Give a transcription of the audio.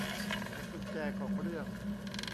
แต่กุญแจของเรื่อง